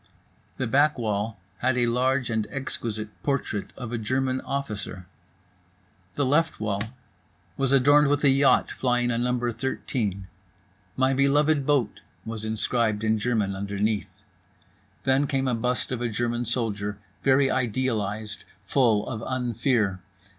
The back wall had a large and exquisite portrait of a German officer. The left wall was adorned with a yacht, flying a number 13. "My beloved boat" was inscribed in German underneath. Then came a bust of a German soldier, very idealized, full of unfear.